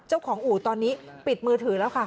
อู่ตอนนี้ปิดมือถือแล้วค่ะ